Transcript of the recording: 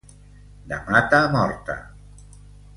De mata morta.